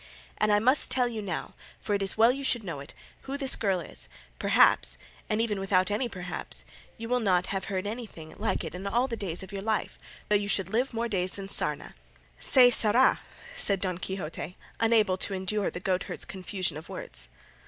And I must tell you now, for it is well you should know it, who this girl is; perhaps, and even without any perhaps, you will not have heard anything like it all the days of your life, though you should live more years than sarna." "Say Sarra," said Don Quixote, unable to endure the goatherd's confusion of words.